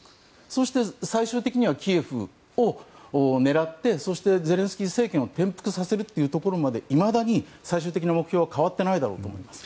そして最終的にはキエフを狙ってゼレンスキー政権を転覆させるというところまでいまだに最終的な目標は変わってないだろうと思います。